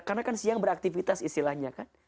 karena kan siang beraktivitas istilahnya kan